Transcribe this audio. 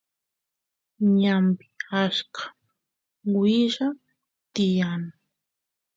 ñanpi achka willa tiyan